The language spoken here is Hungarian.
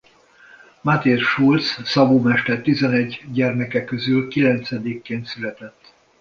Matthias Schulze szabómester tizenegy gyermeke közül kilencedikként született.